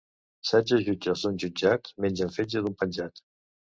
Setze jutges d'un jutjat mengen fetge d'un penjat